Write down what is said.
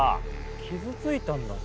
傷ついたんだぜ。